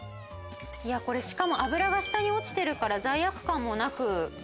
いやあこれしかも油が下に落ちてるから罪悪感もなく。